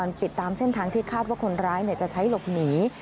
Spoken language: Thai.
ปิดตามเส้นทางที่คาดว่าคนร้ายจะใช้หลบหนี